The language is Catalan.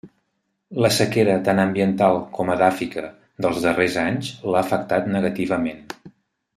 La sequera tant ambiental com edàfica dels darrers anys l'ha afectat negativament.